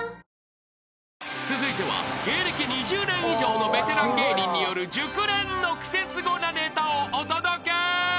［続いては芸歴２０年以上のベテラン芸人による熟練のクセスゴなネタをお届け］